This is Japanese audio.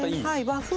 和風？